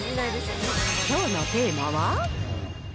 きょうのテーマは。